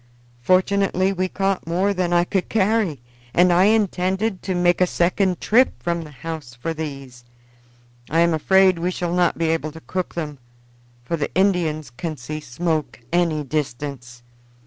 "Fortunately we caught more than I could carry, and I intended to make a second trip from the house for these. I am afraid we shall not be able to cook them, for the Indians can see smoke any distance.